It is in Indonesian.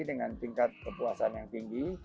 dengan tingkat kepuasan yang tinggi